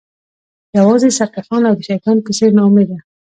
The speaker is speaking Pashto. یوازې سرکښان او د شیطان په څیر ناامیده